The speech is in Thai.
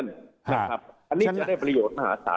อันนี้จะได้ประโยชน์มหาศาล